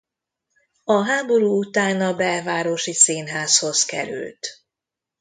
A háború után a Belvárosi Színházhoz került.